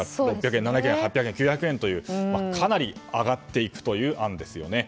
５００円から１００円ということですがかなり上がっていくという案ですよね。